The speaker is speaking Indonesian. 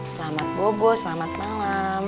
selamat bobo selamat malam